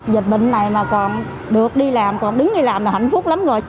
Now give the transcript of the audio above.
dịch bệnh này mà còn được đi làm còn đứng đi làm mà hạnh phúc lắm rồi